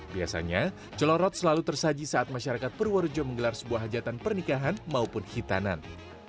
biasanya celorot selalu tersaji saat masyarakat purworejo menggelar sebuah hajatan pernikahan maupun hitanan